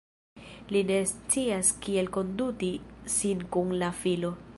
Li ne scias kiel konduti sin kun la filo.